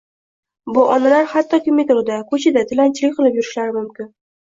Bu onalar hattoki metroda, koʻchada tilanchilik qilib yurishlari mumkin.